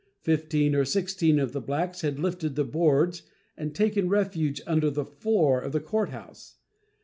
Fifteen or sixteen of the blacks had lifted the boards and taken refuge under the floor of the court house.